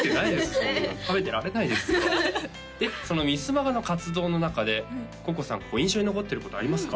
そんなの食べてられないですよでそのミスマガの活動の中で瑚々さん印象に残ってることありますか？